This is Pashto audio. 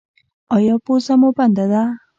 ایا پوزه مو بنده ده؟